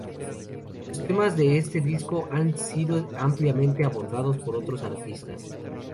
Los temas de este disco han sido ampliamente abordados por otros artistas.